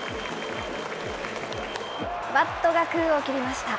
バットが空を切りました。